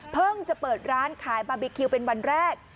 จะเปิดร้านขายบาร์บีคิวเป็นวันแรก